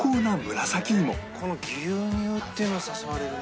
「この牛乳っていうの誘われるな」